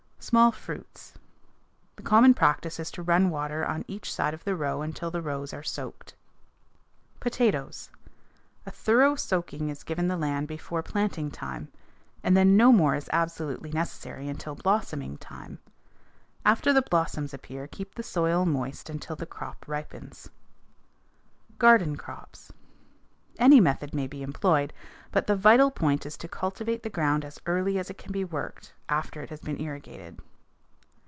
Small fruits. The common practice is to run water on each side of the row until the rows are soaked. Potatoes. A thorough soaking is given the land before planting time, and then no more than is absolutely necessary until blossoming time. After the blossoms appear keep the soil moist until the crop ripens. Garden crops. Any method may be employed, but the vital point is to cultivate the ground as early as it can be worked after it has been irrigated.